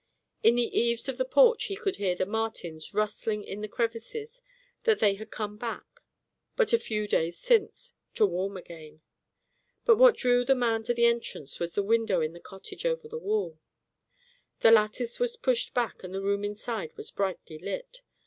In the eaves of the porch he could hear the martins rustling in the crevices that they had come back, but a few days since, to warm again. But what drew the man to the entrance was the window in the cottage over the wall. The lattice was pushed back and the room inside was brightly lit.